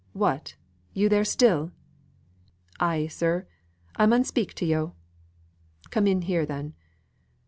"What! you there still!" "Ay, sir, I mun speak to yo'." "Come in here, then.